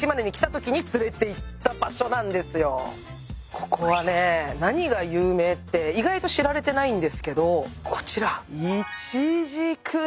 ここはね何が有名って意外と知られてないんですけどこちら。